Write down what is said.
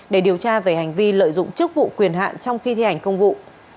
để điều tra về hành vi lợi dụng chức vụ quyền hạn trong khi thi hành công vụ